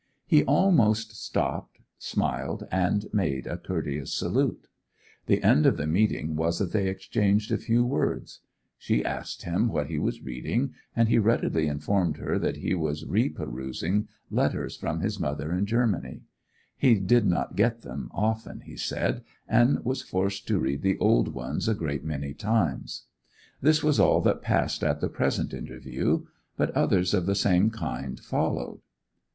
He almost stopped, smiled, and made a courteous salute. The end of the meeting was that they exchanged a few words. She asked him what he was reading, and he readily informed her that he was re perusing letters from his mother in Germany; he did not get them often, he said, and was forced to read the old ones a great many times. This was all that passed at the present interview, but others of the same kind followed.